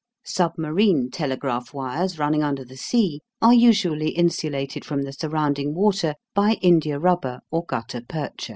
Submarine telegraph wires running under the sea are usually insulated from the surrounding water by india rubber or gutta percha.